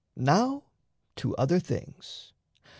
Now to other things!